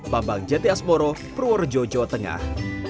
bambang jati asmoro purworejo jawa tengah